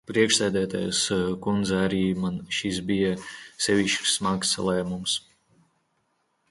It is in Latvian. Priekšsēdētājas kundze, arī man šis bija sevišķi smags lēmums.